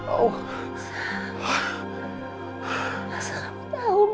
apa sih ma